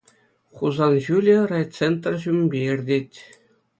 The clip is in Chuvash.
Хусан ҫулӗ райцентр ҫумӗпе иртет.